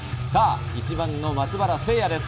１番の松原聖弥です。